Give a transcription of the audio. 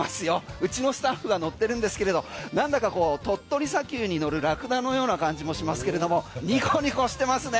うちのスタッフが乗ってるんですけれどなんだか鳥取砂丘に乗るラクダのような感じもしますけれどもニコニコしてますね。